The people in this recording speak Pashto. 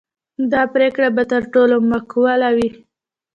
دا پرېکړه به تر ټولو معقوله وي.